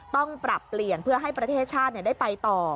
ต้องปรับเปลี่ยนเพื่อให้ประเทศชาติได้ไปต่อ